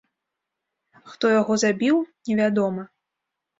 Хто яго забіў, невядома.